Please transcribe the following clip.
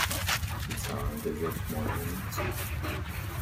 Die Zahl der Selbstmorde nimmt zu.